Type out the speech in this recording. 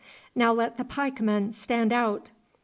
Now let the pikemen stand out.